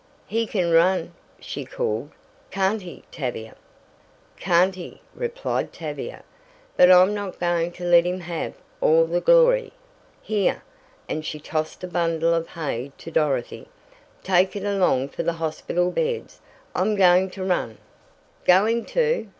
"He can run!" she called, "Can't he, Tavia?" "Can't he!" replied Tavia. "But I'm not going to let him have all the glory. Here," and she tossed a bundle of hay to Dorothy. "Take it along for the hospital beds. I'm going to run!" "Going to!"